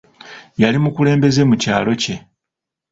Yali mukulembeze mu kyalo kye.